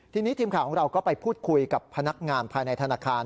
ทีนี้ทีมข่าวของเราก็ไปพูดคุยกับพนักงานภายในธนาคาร